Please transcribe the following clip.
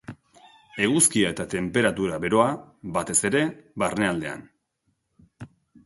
Eguzkia eta tenperatura beroa, batez ere barnealdean.